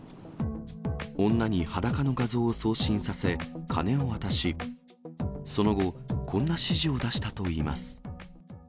女に裸の画像を送信させ、金を渡し、その後、こんな指示を出したといいます。